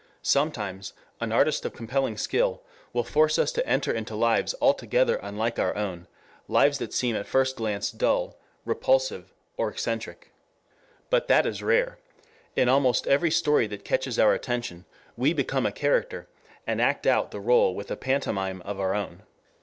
Sometimes an artist of compelling skill will force us to enter into lives altogether unlike our own, lives that seem at first glance dull, repulsive, or eccentric. But that is rare. In almost every story that catches our attention we become a character and act out the role with a pantomime of our own.